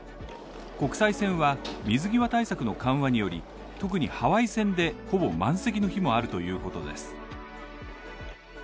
国際線は水際対策の緩和により、特にハワイ線でほぼ満席の日もあるということです。